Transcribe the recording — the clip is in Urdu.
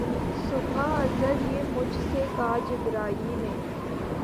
صبح ازل یہ مجھ سے کہا جبرئیل نے